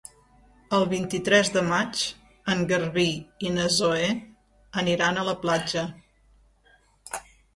El vint-i-tres de maig en Garbí i na Zoè aniran a la platja.